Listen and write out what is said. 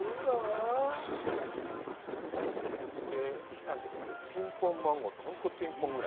これ、来たんですけど、ピンポンマンゴーって、本当ピンポンぐらい。